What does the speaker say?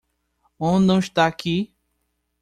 Onde não está aqui?